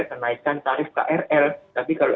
kenaikan tarif krl tapi kalau